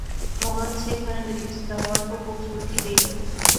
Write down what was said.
مغل، سکھ اور انگریز لاہور کو خوبصورتی دے گئے۔